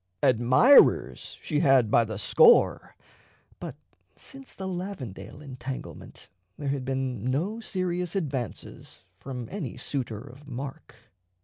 Admirers she had by the score, but since the Lavendale entanglement there had been no serious advances from any suitor of mark.